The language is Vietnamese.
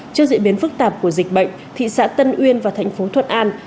trước diễn biến phức tạp của dịch bệnh thị xã tân uyên và thành phố thuận an